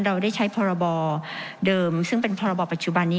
เราได้ใช้พรบเดิมซึ่งเป็นพรบปัจจุบันนี้